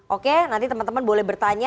oke nanti teman teman boleh bertanya